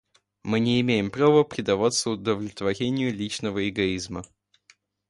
Мы не имеем права предаваться удовлетворению личного эгоизма.